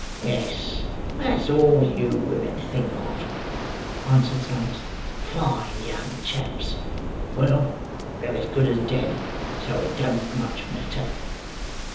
"Yes; that's all you women think of," answered Sikes. "Fine young chaps! Well, they're as good as dead, so it don't much matter."